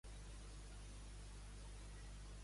Toca'm la celesta al llit, cor meu.